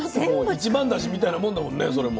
一番だしみたいなもんだもんねそれも。